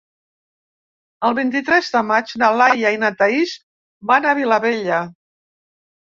El vint-i-tres de maig na Laia i na Thaís van a Vilabella.